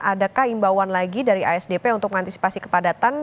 adakah imbauan lagi dari asdp untuk mengantisipasi kepadatan